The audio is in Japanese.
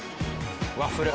ワッフル。